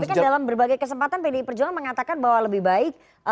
tapi kan dalam berbagai kesempatan pdi perjuangan mengatakan bahwa lebih baik